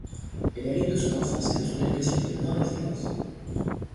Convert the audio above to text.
Elle hérite de son enfance et de son éducation d'une grande exigence.